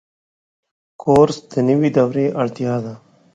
کورس د نوي دورې اړتیا ده.